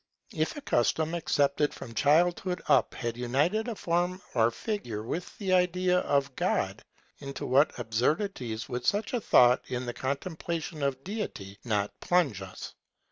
If a custom accepted from childhood up had united a form or figure with the idea of God, into what absurdities would such a thought in the contemplation of deity not plunge us